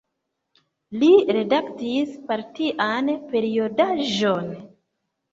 Li redaktis partian periodaĵon.